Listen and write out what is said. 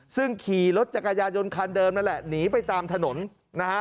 ซึ่งขี่รถจักรยายนคันเดิมนั่นแหละหนีไปตามถนนนะฮะ